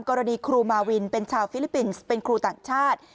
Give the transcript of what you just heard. กรณีครูมาวินเป็นชาวฟิลิปปินส์เป็นครูต่างชาติ